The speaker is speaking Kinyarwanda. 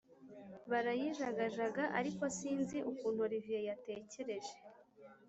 barayijagajaga ariko sinzi ukuntu olivier yatekereje